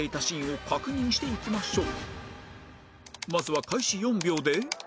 まずは開始４秒で